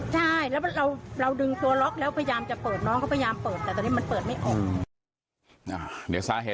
ซาเหตุน้องไปรอดูอย่างละเอียดนะฮะ